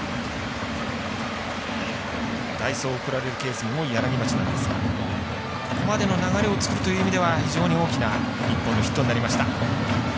代走を送られるケースも多い柳町なんですがここまでの流れを作るという意味では非常に大きな１本のヒットとなりました。